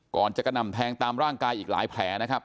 ก่อนจะกระหน่ำแทงตามร่างกายอีกหลายแผลนะครับ